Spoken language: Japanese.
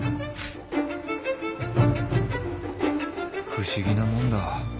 不思議なもんだ